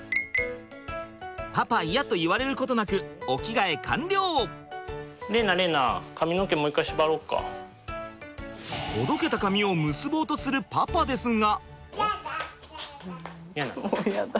「パパイヤ！」と言われることなく玲菜玲菜ほどけた髪を結ぼうとするパパですが。